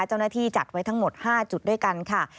เจ้าหน้าที่จัดไว้ทั้งหมด๕จุดด้วยกันค่ะ